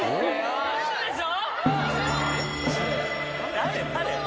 ウソでしょ